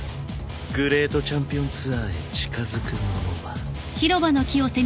グレートチャンピオンツアーへ近づく者は